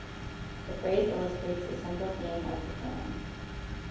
The phrase illustrates a central theme of the film.